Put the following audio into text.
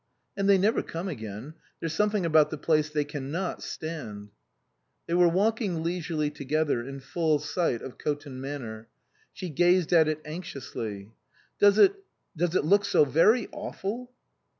" And they never come again. There's some thing about the place they can not stand." They were walking leisurely together in full sight of Coton Manor. She gazed at it anxi ously. " Does it does it look so very awful